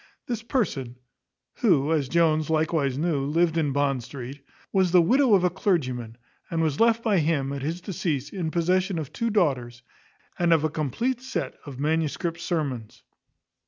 This person, who, as Jones likewise knew, lived in Bond street, was the widow of a clergyman, and was left by him, at his decease, in possession of two daughters, and of a compleat set of manuscript sermons.